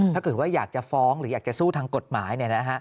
ถ้าเกิดว่าอยากจะฟ้องหรืออยากจะสู้ทางกฎหมาย